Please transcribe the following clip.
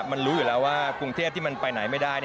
มันรู้อยู่แล้วว่ากรุงเทพที่มันไปไหนไม่ได้